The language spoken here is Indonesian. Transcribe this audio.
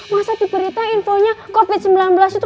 masa diberita infonya covid sembilan belas itu